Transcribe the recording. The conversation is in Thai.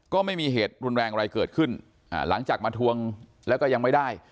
ก็ไม่มีเหตุรุนแรงอะไรเกิดขึ้นอ่าหลังจากมาทวงแล้วก็ยังไม่ได้